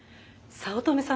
早乙女さん